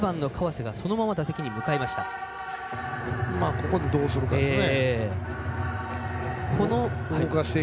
ここでどうするかですね。